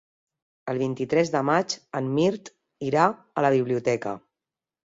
El vint-i-tres de maig en Mirt irà a la biblioteca.